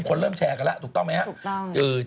คนเริ่มแชร์กันแล้วถูกต้องไหมครับ